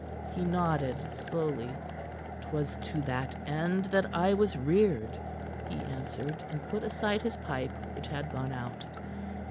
He nodded slowly. "'Twas to that end that I was reared," he answered, and put aside his pipe, which had gone out.